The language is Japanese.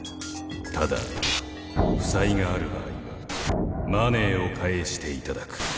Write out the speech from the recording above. ただ負債がある場合はマネーを返していただく。